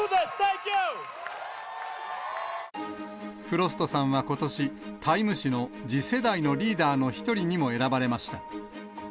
フロストさんはことし、タイム誌の次世代のリーダーの１人にも選ばれました。